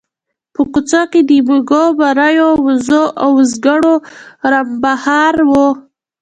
په کوڅو کې د مېږو، وريو، وزو او وزګړو رمبهار و.